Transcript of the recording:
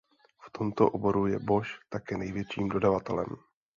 V tomto oboru je Bosch také největším dodavatelem.